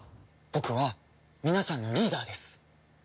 僕は皆さんのリーダーです。